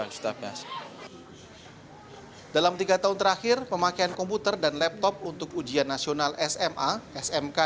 lepas itu siswa menggunakan laptop untuk mengenalpukannya